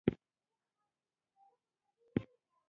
هغه ډوچي چې د شپې به خوب نه ورتلو، او ډېر پرېشان وو.